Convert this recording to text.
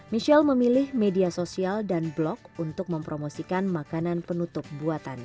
michelle memilih media sosial dan blog untuk mempromosikan makanan penutup buatannya